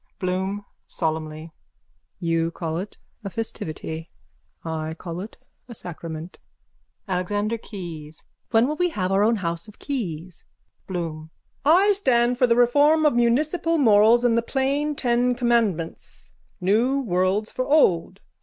BLOOM: (Solemnly.) You call it a festivity. I call it a sacrament. ALEXANDER KEYES: When will we have our own house of keys? BLOOM: I stand for the reform of municipal morals and the plain ten commandments. New worlds for old.